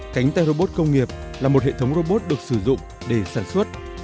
cánh tay robot công nghiệp là một hệ thống robot được sử dụng để sản xuất